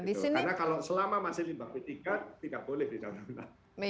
karena kalau selama masih limbah p tiga tidak boleh didalur ulang